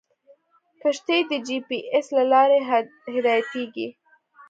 کښتۍ د جي پي ایس له لارې هدایتېږي.